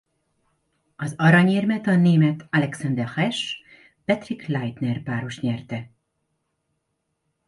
Az aranyérmet a német Alexander Resch–Patric Leitner-páros nyerte.